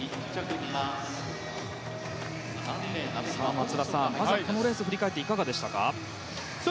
松田さん、このレースを振り返っていかがでしたか。